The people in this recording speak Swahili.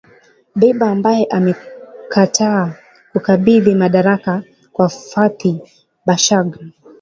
Dbeibah ambaye amekataa kukabidhi madaraka kwa Fathi Bashagha.